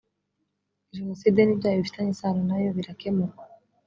jenoside n ibyaha bifitanye isano na yo birakemurwa